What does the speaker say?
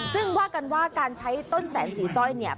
ซึ่งว่ากันว่าการใช้ต้นแสนสีสร้อยเนี่ย